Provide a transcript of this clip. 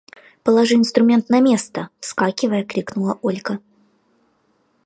Положи инструмент на место! – вскакивая, крикнула Ольга.